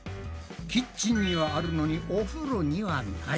キッチンにはあるのにお風呂にはない。